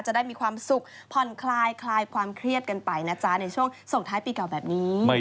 จะได้มีความสุขผ่อนคลายคลายความเครียดกันไปนะจ๊ะในช่วงส่งท้ายปีเก่าแบบนี้